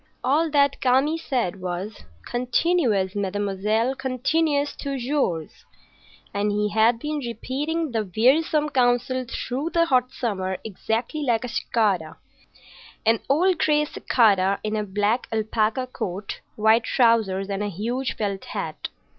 All that Kami said was, "Continuez, mademoiselle, continuez toujours," and he had been repeating the wearisome counsel through the hot summer, exactly like a cicada,—an old gray cicada in a black alpaca coat, white trousers, and a huge felt hat.